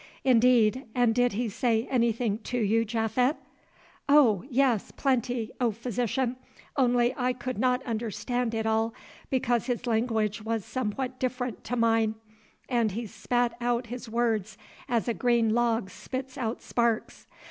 "Indeed, and did he say anything to you, Japhet?" "Oh! yes, plenty, O Physician, only I could not understand it all, because his language was somewhat different to mine, and he spat out his words as a green log spits out sparks.